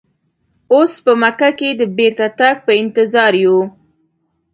اوس په مکه کې د بیرته تګ په انتظار یو.